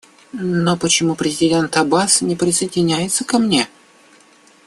Но почему президент Аббас не присоединяется ко мне?